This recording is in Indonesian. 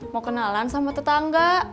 mau kenalan sama tetangga